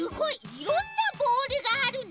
いろんなボールがあるね。